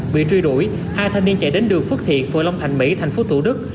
bị truy đuổi hai thanh niên chạy đến đường phước thiện phường long thành mỹ thành phố thủ đức